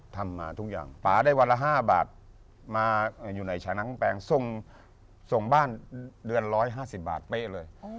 ทำมาทุกอย่างป๊าได้วันละ๕บาทมาอยู่ในชานังแปลงส่งบ้านเดือน๑๕๐บาทเป๊ะเลย